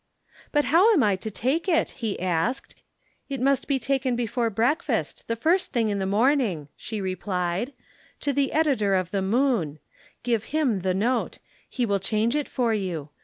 'But how am I to take it?' he asked. 'It must be taken before breakfast, the first thing in the morning,' she replied, 'to the editor of the Moon. Give him the note; he will change it for you.